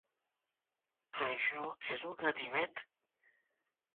Això és un ganivet!